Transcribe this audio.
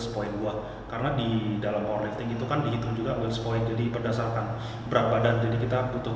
powerlifting itu kan dihitung juga jadi berdasarkan berat badan jadi kita butuh